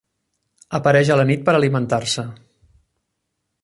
Apareix a la nit per alimentar-se.